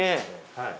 はい。